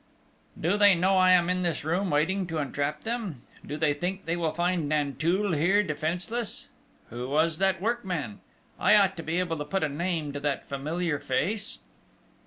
Do they know I am in this room waiting to entrap them? Do they think they will find Nanteuil here defenceless? Who was that workman?... I ought to be able to put a name to that familiar face?